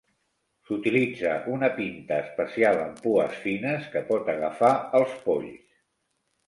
S'utilitza una pinta especial amb pues fines que pot agafar els polls.